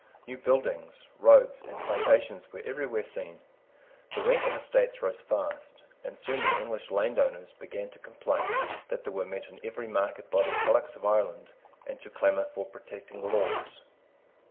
New buildings, roads, and plantations were everywhere seen. The rent of estates rose fast; and soon the English landowners began to complain that they were met in every market by the products of Ireland, and to clamour for protecting laws.